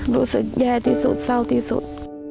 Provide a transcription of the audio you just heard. รู้สึกแย่ที่สุดเศร้าที่สุด